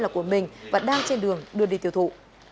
là của mình và đang trên đường đưa đi tiêu thụ